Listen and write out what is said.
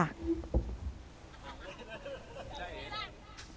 ใช่เลย